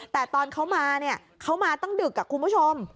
แต่ตอนเขามาเนี่ยเขามาตั้งดึกคุณผู้ชม